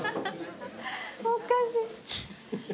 おかしい。